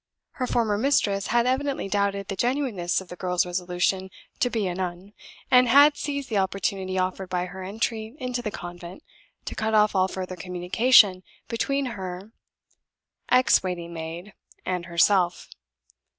Her former mistress had evidently doubted the genuineness of the girl's resolution to be a nun, and had seized the opportunity offered by her entry into the convent to cut off all further communication between her ex waiting maid and herself.